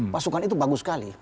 pasokan itu bagus sekali